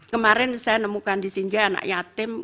kemarin saya nemukan di sinja anak yatim